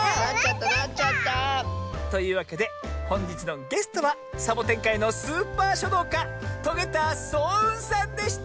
なっちゃった！というわけでほんじつのゲストはサボテンかいのスーパーしょどうかトゲたそううんさんでした！